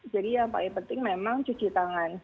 jadi yang paling penting memang cuci tangan